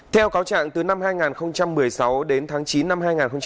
theo cáo trạng từ năm hai nghìn một mươi sáu đến tháng chín năm hai nghìn một mươi bảy